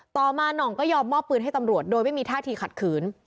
ต่อมาหน่องก็ยอมมอบปืนให้ตำรวจโดยไม่มีท่าทีขัดขืน